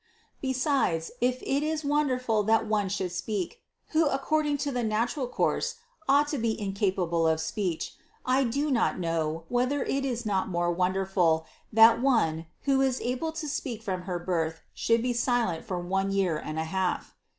Besides, if it is wonderful that one should speak, who according to the natural course ought to be incapable of speech, I do not know, whether it is not more wonderful, 301 302 CITY OF GOD that one, who is able to speak from her birth should be silent for one year and a half.